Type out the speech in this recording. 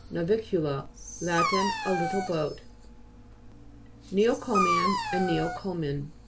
NAVI'CTJLA Lat. A little boat. NEOCO'MIAN and NEOCOMIEN Fr.